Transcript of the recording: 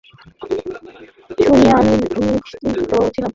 শুনিয়া আমি নিশ্চিন্ত ছিলাম।